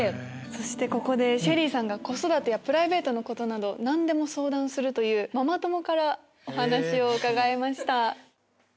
そしてＳＨＥＬＬＹさんが子育てやプライベートなど何でも相談するというママ友からお話を伺いました。